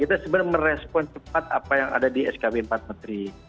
kita sebenarnya merespon cepat apa yang ada di skb empat menteri